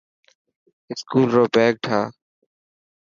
اسڪول رو بيگ ٺاهه.